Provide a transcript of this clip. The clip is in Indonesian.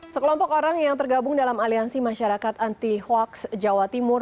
sekelompok orang yang tergabung dalam aliansi masyarakat anti hoaks jawa timur